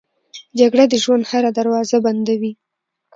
جګړه د ژوند هره دروازه بندوي